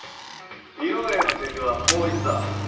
色営の敵は法律だ。